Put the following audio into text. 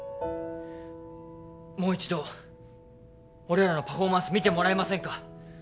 もう一度俺らのパフォーマンス見てもらえませんか？